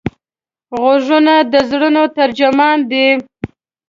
غوږونه د زړونو ترجمان دي